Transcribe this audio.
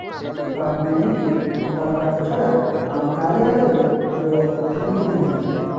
ବାବୁ ଏଣିକି ଗୋପାଳ ହାତ ଛଡ଼ା ଆଉ କାହାରି ହାତରୁ ଜଳ ଛୁଅଁନ୍ତି ନାହିଁ ।